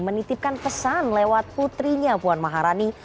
menitipkan pesan lewat putrinya puan maharani